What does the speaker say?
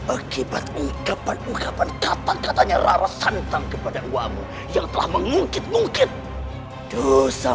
akibat ungkapan ungkapan kata katanya rarasa tang kepada uakmu yang telah mengungkit ungkit dosa